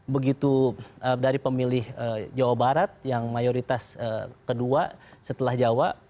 begitu dari pemilih jawa barat yang mayoritas kedua setelah jawa